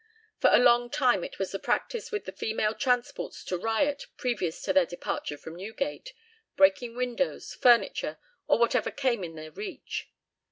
For a long time it was the practice with the female transports to riot previous to their departure from Newgate, breaking windows, furniture, or whatever came in their reach.